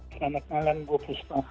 selamat malam bu fuspa